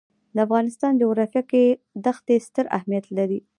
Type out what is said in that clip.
د افغانستان جغرافیه کې ښتې ستر اهمیت لري.